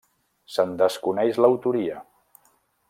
Se'n desconeix l'autoria.